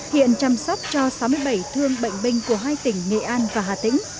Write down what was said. hiện chăm sóc cho sáu mươi bảy thương bệnh binh của hai tỉnh nghệ an và hà tĩnh